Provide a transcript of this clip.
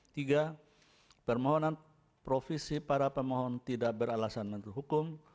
tiga permohonan provisi para pemohon tidak beralasan menurut hukum